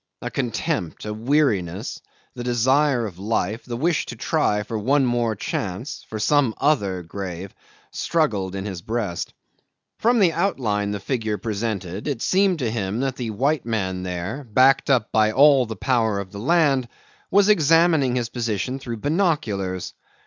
A contempt, a weariness, the desire of life, the wish to try for one more chance for some other grave struggled in his breast. From the outline the figure presented it seemed to him that the white man there, backed up by all the power of the land, was examining his position through binoculars.